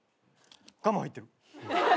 ガム入ってる。